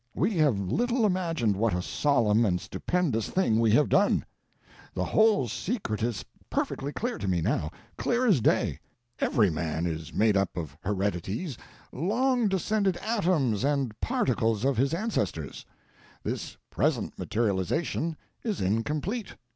We have little imagined what a solemn and stupendous thing we have done. The whole secret is perfectly clear to me, now, clear as day. Every man is made up of heredities, long descended atoms and particles of his ancestors. This present materialization is incomplete.